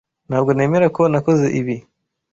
Ntabwo nemera ko nakoze ibi.